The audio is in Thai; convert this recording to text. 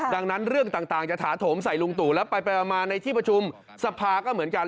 ดังนั้นเรื่องต่างจะถาโถมใส่ลุงตู่แล้วไปมาในที่ประชุมสภาก็เหมือนกัน